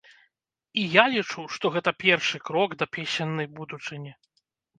І я лічу, што гэта першы крок да песеннай будучыні.